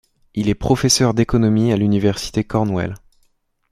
Il est professeur d'économie à l'université Cornell.